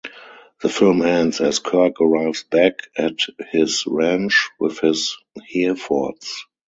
The film ends as Kirk arrives back at his ranch with his Herefords.